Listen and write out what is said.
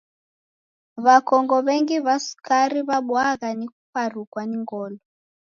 W'akongo w'engi wa sukari w'abwaghwa ni kuparukwa ni ngolo